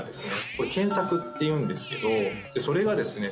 これ腱索っていうんですけどそれがですね